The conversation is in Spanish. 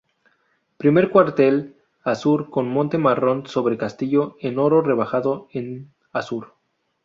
Primer cuartel azur con monte marrón sobre castillo en oro rebajado en azur.